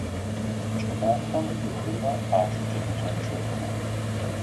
КӀымафэм бгымэ ӀажэкӀэ тыкъячъэхы.